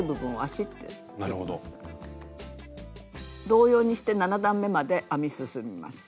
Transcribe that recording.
同様にして７段めまで編み進めます。